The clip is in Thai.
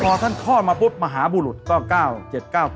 พอท่านคลอดมาปุ๊บมหาบุรุษต้องก้าวเจ็ดเก้า